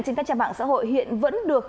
trên các trang mạng xã hội hiện vẫn được